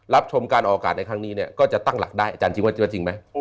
ชมการออกอากาศในครั้งนี้เนี่ยก็จะตั้งหลักได้อาจารย์จริงว่าเจอจริงไหม